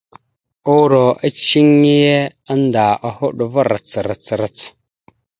Uuro eceŋé annda a hoɗ va rac rac rac.